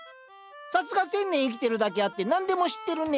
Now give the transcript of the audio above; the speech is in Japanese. さすが１，０００年生きてるだけあって何でも知ってるね。